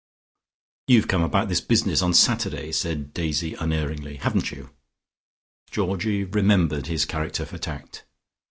"You've come about this business on Saturday," said Daisy unerringly. "Haven't you?" Georgie remembered his character for tact.